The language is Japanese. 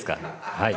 はい。